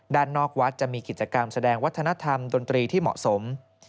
ด้านนอกวัดจะมีกิจกรรมแสดงวัฒนธรรมดนตรีที่เหมาะสม